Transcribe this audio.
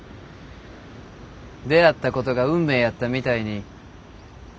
出会ったことが運命やったみたいに。